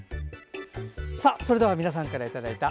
それでは皆さんからいただいた「＃